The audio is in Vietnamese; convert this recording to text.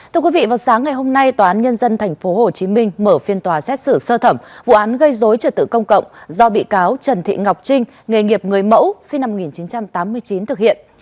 thưa quý vị vào sáng ngày hôm nay tòa án nhân dân tp hcm mở phiên tòa xét xử sơ thẩm vụ án gây dối trật tự công cộng do bị cáo trần thị ngọc trinh nghề nghiệp người mẫu sinh năm một nghìn chín trăm tám mươi chín thực hiện